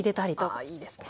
ああいいですね。